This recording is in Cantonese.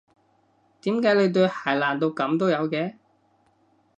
點解你對鞋爛到噉都有嘅？